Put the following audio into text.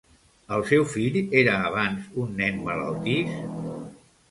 El seu fill era abans un nen malaltís?